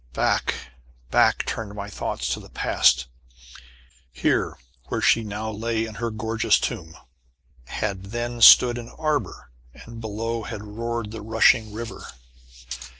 Back, back turned my thoughts to the past. Here, where she now lay in her gorgeous tomb, had then stood an arbor, and below had roared the rushing river.